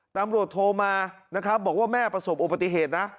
ตำรวจโทรมานะครับบอกว่าแม่ประสบอุบัติเหตุนะ